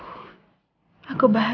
terima kasih allah